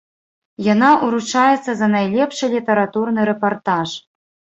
Яна ўручаецца за найлепшы літаратурны рэпартаж.